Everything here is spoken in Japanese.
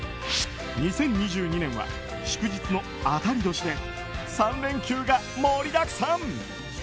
２０２２年は祝日の当たり年で３連休が盛りだくさん。